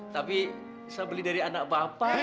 tapi saya beli dari anak bapak